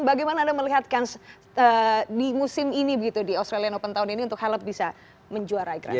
bagaimana anda melihatkan di musim ini begitu di australian open tahun ini untuk halep bisa menjuarai grand slam